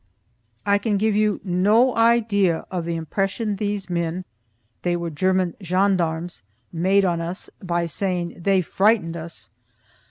I can give you no idea of the impression these men (they were German gendarmes) made on us, by saying they frightened us.